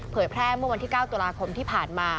แพร่เมื่อวันที่๙ตุลาคมที่ผ่านมา